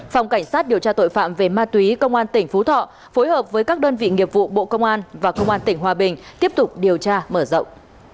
phòng cảnh sát điều tra tội phạm về ma túy công an tỉnh phú thọ phối hợp với các đơn vị nghiệp vụ bộ công an và công an tỉnh hòa bình tiếp tục điều tra mở rộng